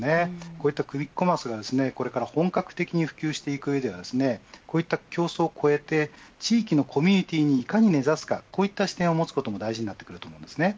こういったクイックコマースがこれから本格的に普及していく上では競争を超えて、地域のコミュニティにいかに根差すかこういった視点を持つことも大事になってきます。